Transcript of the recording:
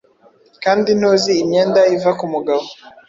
Kandi ntuzi Imyenda iva kumugabo